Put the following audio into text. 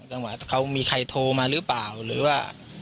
ว่าเขามีใครโทรมาหรือเปล่าหรือว่า